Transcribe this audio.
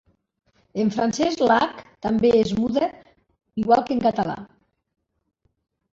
En francès, la h també és muda, igual que en català.